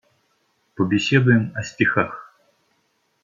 Побеседуем о стихах.